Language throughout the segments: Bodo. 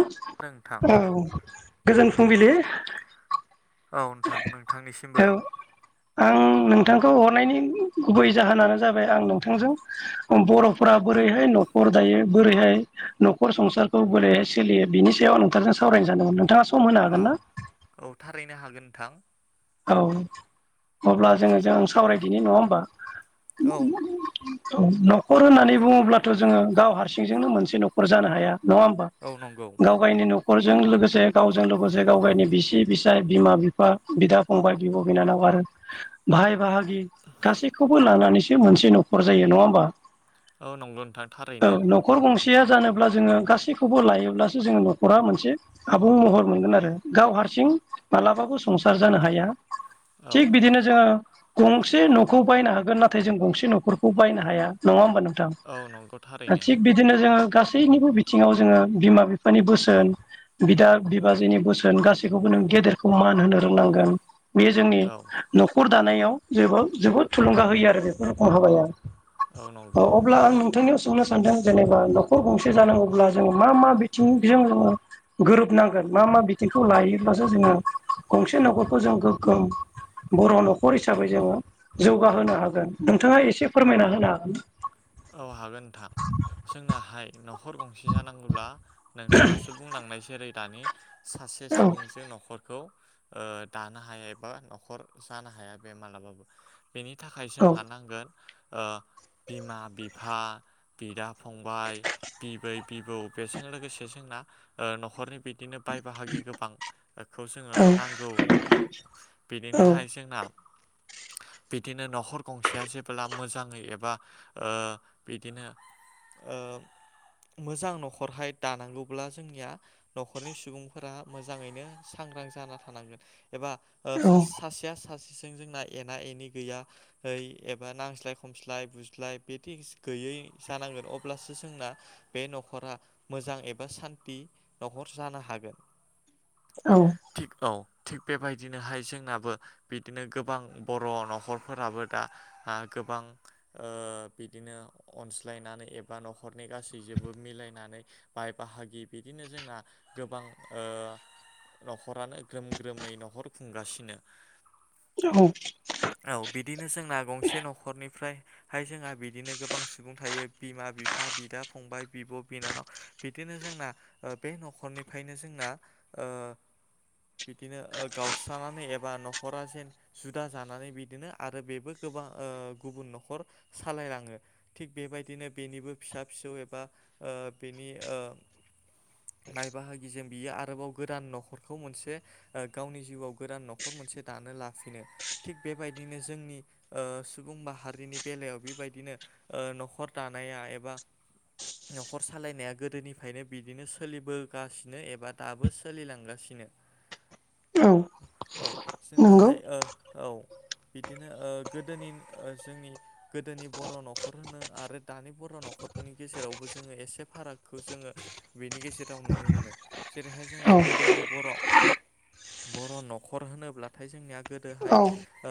ओ नोंथां औ गोजोन फुंबिलि। औ नोंथां औ नोंथांनिसिमबो। आं नोंथांखौ हरनायनि गुबै जाहोनानो जाबाय आं नोंथांजों बर'फोरा बोरैहाय न हर दायो बोरैहाय नखर संसारखौ बोरैहाय सोलियो बिनि सायाव आं नोंथांजों सावरायनो सानदोंमोन नोंथाङास औ औ थारैनो हागोन नोंथां। औ अब्ला जोङो जों सावरायदिनि नङा होमबा उम औ उम उम उम उम औ नखर होननानै बुङोब्लाथ‌ जोङो गाव हारसिंजोंनो मोनसे नखर जानो हाया। नङा होमबा औ नंगौ गाव गायनि न' खरजों लोगोसे गावजों लोगोसे गाव गायनि बिसि बिसाय बिमा बिफा बिदा फंबाय बिब बिनानाव आरो भाय बाहागि गासैखौबो लानानैसो मोनसे नखर जायो। नङा होमबा? औ नंगौ नोंथां थारैनो। थिया जानोब्ला जोङो गासैखौबो लायोब्लासो जोङो नखरा मोनसे आबुं महर मोनगोन आरो गाव हा सिं मालाबाबो संसार जानो हाया औ थिग बिदिनो जोङो गंसे नखौ बायनो हागोन नाथाय जों गंसे नखरखौ बायनो हाया नङा होमबा नों थां औ नंगौ थारैनो थिग बिदिनो जोङो गासैनिबो बिथिङाव जोङो बिमा बिफानि बोसोन बिदा बिबाजैनि बोसोन गासिखौबो नों गेदेरखौ मान होनो रोंनांगोन। बेयो जोंनि औ नखर दानायाव जेबो जोबोद थुलुंगा होयो आरो बेफोर गथ गोरलै औ अ नंगौ अब्ला आं नोंथांनियावसो अब्ला सानदों जेनेबा नखर गंसे जानांगौब्ला जों मा मा बिथिंजों गोरोबनांगोन। मा मा बिथिंखौ लायोब्लासो जोङो गंसे नखरखौ जों गोगोम बर' नखर हिसाबै जोङो जौगाहोनो हागोन नोंथाङा एसे फोरमायना होनो हागोन? औ हागोन नोंथां जोंनाहाय नखर गंसे जानांगौब्ला नोंथाङासो बुंलांनाय जेरै दानि सासे औ सुबुंजों नखरखौ ओ दानो हाया एबा नखर जानो हाया बे मालाबाबो। बेनि थाखाय जोंहा औ नांगोन ओ बिमा बिफा बिदा फ फंबाय बिबै बिबौ बेजों लोगोसे जोंना ओ नखरनि बिदिनो बाय बाहागि गोबांखौ जोङो नांगौ औ बिनिनोहाय जोंना बिदिनो नखर गंसेया जेब्ला मोजाङै एबा ओ बिदिनो ओ मोजां न'खरहाय दानांगौब्ला जोंनिया न'खरनि सुबुंफोरा मोजाङैनो सांग थारां जाना थानांगोन एबा ओ खासे सासेआ सासेसो जों जोंना एना एनि गैया है एबा नांज्लाय खमस्लाय बुज्लाय बेटिगस गैयै जानांगोन अब्लासो जोंना बे न'खरा मोजां एबा सान्थि न'खर जानो हागोन औ थिग औ। थिग बेबायदिनोहाय जोंनाबो बिदिनो गोबां बर' न'खरफोराबो दा आ गोबां ओयो बिदिनो अनस्लायनानै एबा न'खरनि गासैजोंबो मिलायनानै बाय बाहागि बिदिन नो जोंना गोबां ओ न'खरानो ग्रोम ग्रोमै न'खर खुंगासिनो। औ औ बिदिनो जोंना गंसे न'खरनिफ्रायहाय जोंहा बि बिदिनो गोबां सुबुं थायो बिमा बिफा बिदा फंबाय बिब' बिनानाव बिदिनो जोंना ओ बे न'खरनिफ्रायनो जोंना ओ बिदिनो ओ गावस्रानानै एबा न'खरा जेन जुदा जानानै बिदिनो आरो बेबो गोबां ओ गुबन न'खर सालायलां ओ थिग बेबायदिनो बेनिबो फिसा फिसौ एबा ओ बेनि ओ बाय बाहागि जों बियो आरोबाव गोदान न'खरखौ मोनसे ओ गावनि जिउआव गोदान न'खर मोन मोनसे दानो लाफिनो थिग बेबायदिनो जोंनि ओ सुबुं माहारिनि बेलायाव बेबायदिनो ओ न'खर दानाया एबा न'खर सालायनाया गोदोनिफ्रायनो बिदिनो सोलिबोगासिनो एबा दाबो सोलिलांगासिनो। औ नंगौ जोंनाहाय ओ औ बिदिनो ओ गोदोनि जोंनि गोदोनि बर' न'खर न'खर होनो आरो दानि बर' न'खरनि गेजेरावबो जोङो एसे फारागखौ जोङो बेनि गेजेराव नुनो मोनो [inaudible] जेरैहाय जोंहा औ गोदोनि बर' बर' न'खर होनोब्लाथाय जोंनिया गोदोहाय औ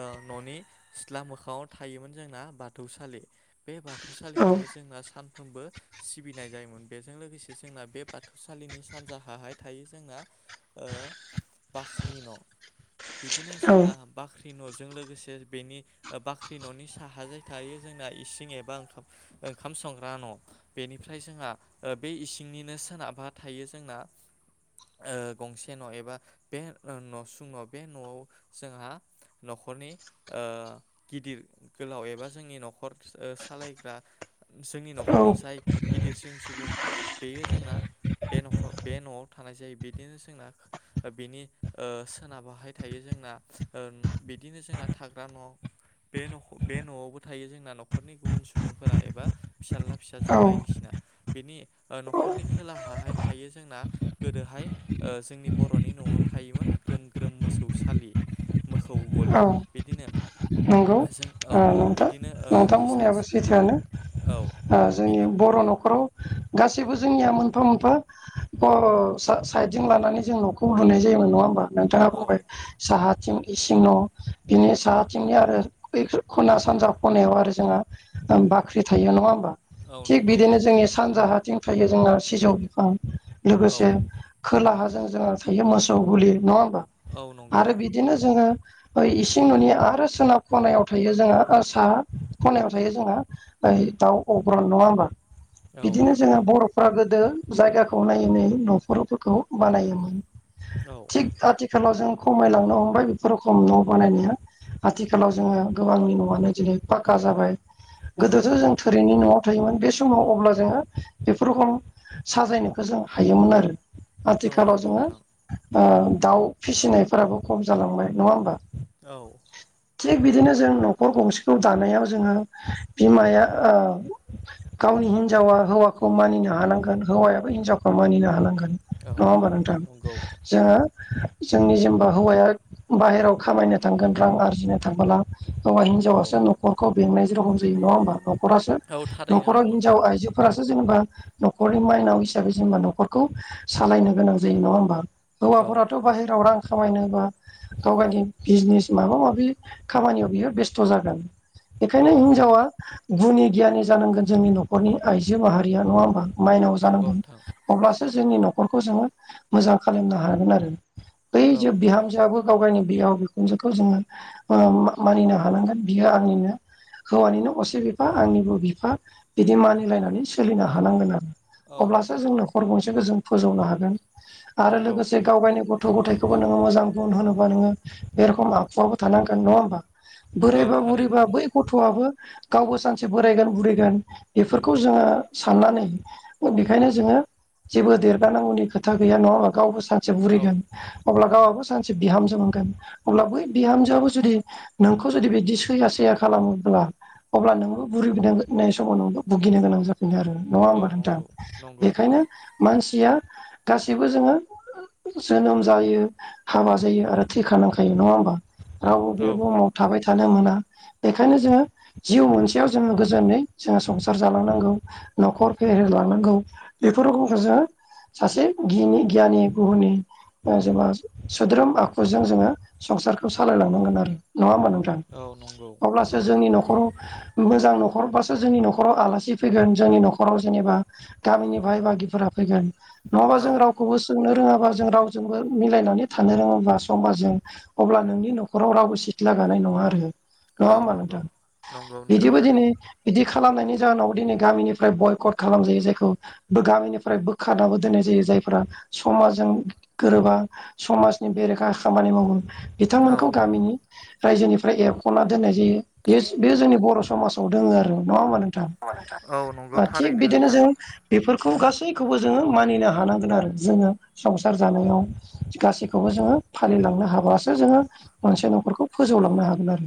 ओ न'नि सिथ्ला मोखाङाव थायोमोन जोंना बाथौसालि बे बाथौसालिखौनो जोंना सानफ्रोमबो सिबिनाय जायोमोन बेजों लोगोसे जोंना बे बाथौसालि नि सानजाहा हाय थायो जोंना बाख्रि न'। बिदिनो जोंना औ बाख्रि बाख्रि न'जों लोगोसे बेनि बाख्रि न'नि साहाजाय थायो जोंना इसिं ए बा ओंखाम संग्रा न' बेनिफ्राय जोंहा बे इसिंनिनो सोनाबा थायो जोंना ओ गंसे न' एबा बे न'सुं न' बे न'आव जोंहा न'खरनि ओ गिदिर गोलाव एबा जोंनि न'खर सालायग्रा जोंनि औ न'खरनि जाय गिदिरसिन सुबुं बेयो जोंना बे न'खर बे न'आव थानाय जायो बिदिनो जोंना बिनि ओ सोनाबाहाय थायो जों जोंना ओ बिदिनो जोंना थाग्रा न' बे न' बे न'आवबो थायो जोंना न'खरनि गुबुन सुबुंफोरा एबा फिसाज्ला फिसाजो औ बायदिसिना। बेनि ओ न'खरनि खोलाहाहाय थायो जोंना गोदोहाय ओ जोंनि बर'नि न'आव था थायोमोन ग्रोम ग्रोम मोसौसालि। मोखौ गलि औ बिदिनो नंगौ जों औ बिदिनो ओ हिसान सैथाआनो औ जोंनि बिदिनो बर' न'खराव गासिबो जोंनिया मोनफा मोनफा ओ साइद जों लानानै जों न'खौ लुनाय जायोमोन नङा होमबा? नोंथाङा औ बुंबाय साहाथिं इस बिनि साथिंनि आरो खना सानजा खनायाव आरो जोङा बाख्रि थायो नङा होमबा औ थिग नंगौ बिदिनो जोंनि सानजा हाथिं थायो जोंना सिजौ बिफां। औ लोगोसे खोलाहाजों जोंहा थायो मोसौ गुलि नङा औ नंगौ आरो बिदिनो जोङो इसिं न'नि आरो सोनाब खनायाव थायो जोंहा साहा खनायाव थायो जोंहा दाउ अग्रन नङा होमबा औ बिदिनो नंगौ जोंङो बर'फ्रा गो दो जायगाखौ नायै नायै न'रफोरखौ बानायोमोन औ थि आथि खालाव जों खमामलांनो हमबाय खराव खम न' बानायनाया आथिखालाव जोङो गोबांनि न'आनो दिनै फक्का जाबाय औ गोदोथ' जों नंगौ थोरिनि न'आव थायोमोन बे समाव अब्ला जोङो बेफोरखम साजायनोखौ जों हायोमोन आरो औ आथिखालाव नंगौ जोङो नोंथां दाउ ओ फिसिनायफोराबो खम जालांबाय नङा होमबा औ थिग बिदिनो जों न'खर गंसेखौ दानायाव जोङो बिमाया ओ गाव गावनि हिनजावा हौवाखौ मानिनो हानांगोन हौवायाबो हिनजावखौ मानिनो हानांगोन नङा औ होमबा नोंथां नंगौ जोङो जोंनि जेनेबा हौवाया बाहेराव खामायनो थांगोन रां आरजिनो थांबोला हौवा औ हिनजावासो नखरखौ बेंनाय जेरखम जायो नङा होमबा नखरासो औ थारैनो नखराव नंगौ हिनजाव नोंथां आइजोफोरा जेनेबा नखरनि माइनाव हिसाबै जेनेबा नखरखौ सालायनो गोनां जायो नङा होमबा? औ हौवाफोराथ बाहेरायाव रां खामायनोबा गाव गावनि बिजनेस माबा माबि खामानियाव बियो बेस्थ जागोन औ बेखायनो नंगौ हिनजावा गुनि गियानि जानांगोन जोंनि नखरनि आइजो माहारिया नङा होमबा? माइनाव नंगौ जानांगोन नोंथां अब्लासो जोंनि नखरखौ जोङो मोजां खालामनो हागोन आरो ओय औ जो बिहामजोयाबो गाव गावनि बियाव बिखुनजोखौ जोङो ओ मानिनो हानांगोन बियो आंनिनो हौवानिनो असे बिफा आंनिबो बिफा बिदि मानिलायनानै सोलिनो हानांगोन आ औ अब्लासो जों नखर गंसेखौ जों फोजौनो हागोन आरो नंगौ लोगोसे गाव गायनि गथ थ गथायखौबो नोङो मोजां गुन होनोबा नोङो बे रखम आखुआाबबो थानांगोन नङा होमबा? औ बोरायबा थारैनो बुरैबा बै नंगौ गथआबो गावबो सानसे बोरायगोन बुरैगोन बेफोरखौ जोङो साननानै बेखायनो जोङो जेबो देरगानांगौनि खोथा गैया नङाबा गावबो सानसे औ बुरैगोन अब्ला गावआबबो सानसे बिहाम जो मोनगोन अब्ला बै बिहामजोआबो जुदि नोंखौ जुदि बिदि सैया सैया खालामोब्ला अब्ला नोंबो बुरि [unintelligible] समाव नोंबो भुगिनो गोनां जा गोन आरो नङा औ होमबा नोंथां नंगौ नंगौ बेखायनो मानसिया गासिबो जोङो जोनोम जायो हाबा जायो आरो थैखानांखायो नङा होमबा रावबो बे औ बुहुमाव थाबाय थानो मोना बेखायनो जोङो जिउ मोनसेयाव जोङो गोजोनै जों संसार जालांनांगौ नखर फेहेरलांनांगौ बेफोर गुनखौसो सासे गिनि गियानि गुहुनि [unintelligible] सोद्रोम आख जों जोङो संसारखौ सालायलांनांगोन आरो नङा होमबा नोंथां औ नंगौ अब्लासो जोंनि नख खराव मोजां नखरबासो जोंनि नखराव आलासि फैगोन जोंनि नखराव जेनेबा गामिनि बाय बागिफोरा फैगोन नङाबा औ जों रावखौबो सोंनो रोङाबा जों रावजोंबो मिलायनानै थानो रोङाबा समाजजों अब्ला नोंनि नखराव रावबो सिथ्ला गानाय नङा आरो नङा औ होमबा नंगौ नोंथां नंगौ नोंथां बिदिबो दिनै थारैनो बिदि खालामनायनि जाहोनावबो दिनै गामिनिफ्राय बयकट खालाम जायो जायखौ गामिनिफ्राय बोखारनाबो दोननाय जायो जायफोरा समाजजों गोरोबा समाजनि बेरेखा खामानि मावो औ बिथांमोनखौ गामिनि रायजोनिफ्राय एरखना दोननाय जायो बेयोस बेयो जोंनि बर समाजाव दोङो आरो नङा होनबा नों थां औ नंगौ ओ थिग थारैनो बिदिनो नोंथां जों बेफोर खौ गासैखौबो जोङो मानिनो हानांगोन आरो जोङो संसार जानायाव गासैखौबो जोङो फालिलांनो हाबासो जोङो मोनसे नखरखौ फोजौलांनो हागोन आरो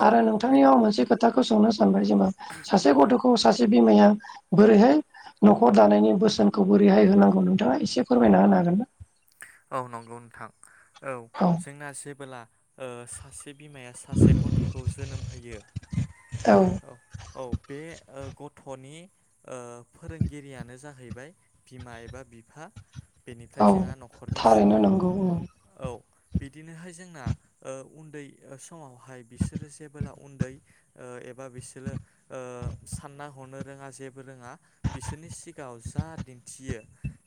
औ आरो बिदि नोंथांनियाव आं मोनसे खोथ थाखौ सोंनो सानबाय जेनबा सासे गथखौ सासे बिमाया बोरैहाय? नखर दानायनि बोसोनखौबो बोरैहाय होनांगौ नोंथाङा एसे फोरमायना होनो हागोन ना? औ नंगौ नोंथां औ जोंना जेबोला ओ सासे बिमाया सासे गथखौ जोनोम होयो औ औ बे ओ गथनि ओ फोरोंगिरियानो जाहैबाय बिमा एबा बिफा बेनिफ्राय औ जोंहा नख थारैनो नांगौ ओं बिदिनोहाय जोंना ओ उन्दै समावहाय बिसोरो जेबोला उन्दै ओ एबा बिसोरो ओ सानना हनो रोङा जेबो रोङा बिसोरनि सिगाङाव जा दिन्थियो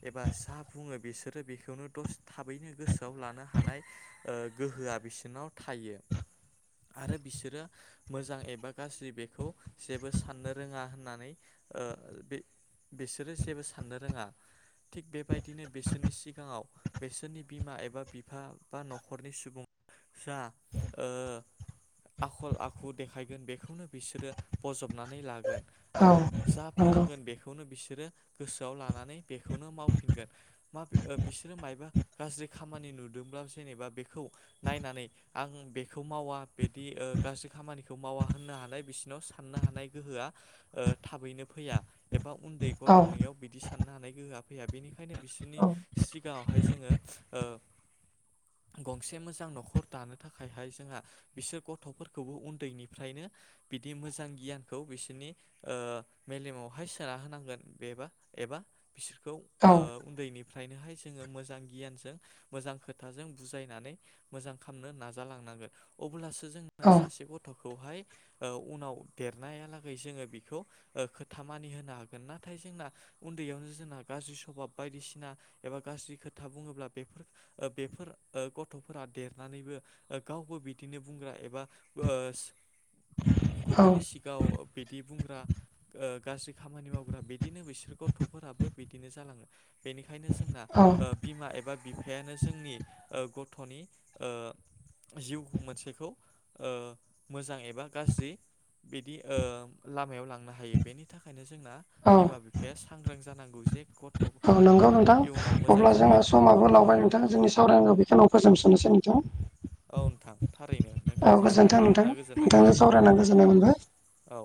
एबा जा बुङो बेसोरो बेख बेखौनो दसे थाबैनो गोसोआव लानो हानाय गोहोआ ओ बिसनाव थायो आरो बिसोरो मोजां एबा गाज्रि बेखौ जेबो साननो रोङा होननानै ओ बे बिसोरो जेबो साननो रोङा थिग बेबायदिनो बिसोरनि सिगां सिगाङाव बिसोरनि बिमा एबा बिफा बा न'खरनि सुबुं जा ओ आखल आखु देखायगोन बेखौनो बिसोरो बजब नानै लागोन औ आरो जा नंगौ फोरोंगोन बेखौनो बिस बिसोरो गोसोआव लानानै बेखौनो मावफिनगोन मा बिसोरो मायबा गाज्रि खामानि नुदोंब्ला जेनेबा बेखौ नायनानै आं बेखौ खौ मावा बिदि गाज्रि खामानिखौ मावा होननो हानाय बिसिनाव साननो हानाय गोहोआ ओ थाबैनो फैया एबा उन्दै औ गथ'नियाव बिदि साननो हानाय गोहोआ फैया बेनिखायनो बिसोरनि औ सिगाङावहाय जोङो गंसे मोजां न'खर दानो थाखायहाय जोंहा बिसोर गथ'फोरखौबो उन्दैनिफ्रायनो बिदि मोजां गियानखौ बिसोरनि मेलेमावहाय सोना होनांगोन बेबा एबा बिसोरखौ औ ओ उन्दैनि निफ्रायनोहाय जोङो मोजां गियानजों मोजां खोथाजों बुजायनानै मोजां खालामनो नाजालां लांनांगोन अब्लासो जों सासे गथ' खौहाय उनाव देरनायालागै जोङो बेखौ खोथा मानि होनो हागोन नाथाय जोंना उन्दैयावनो जोंना गाज्रि सभाब बायदिसिना एबा गाज्रि खोथा बुङोब्ला बेफोर बेफोर गथ'फोरा देरनानैबो गाव बो बिदिनो बुंग्रा एबा ओ औ गुबुननि सिगाङाव बिदि बुंग्रा ओ गाज्रि खामानि मावग्रा बिदिनो बिसोर गथ'फोराबो बिदिनो जालाङो बे खायनो जोंना औ बिमा एबा बिफायानो जोंनि गथ'नि ओ जिउ मोनसेखौ ओ मोजां एबा गाज्रि बिदि ओ लामायाव लांनो हायो बेनि थाखायनो जोंना औ बिमा बिफाया सांग्रां जानांगौ जे गथ' औ नंगौ नोंथां अब्ला जोंहा समाबो औ लावबाय नोंथां जोंनि सावरायनांगौ बेखौनो फोजोबस'नोसै नोंथां औ नोंथां थारैनो औ नोंथांजों गोजोन्थों सावरायनो नोंथां मोना गोजोननाय नोंथांजों थाबाय सावरायना गोजोननाय मोनबाय औ। औ